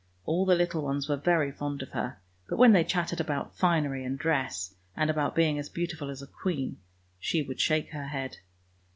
All the little ones were very fond of her, but when they chattered about finery and dress, and about being as beautiful as a queen, she would shake her head.